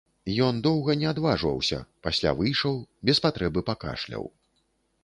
Ён доўга не адважваўся, пасля выйшаў, без патрэбы пакашляў.